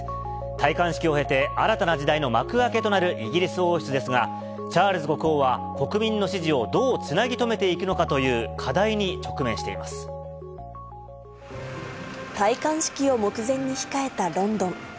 戴冠式を経て、新たな時代の幕開けとなるイギリス王室ですが、チャールズ国王は、国民の支持をどうつなぎ止めていくのかという課題に直面していま戴冠式を目前に控えたロンドン。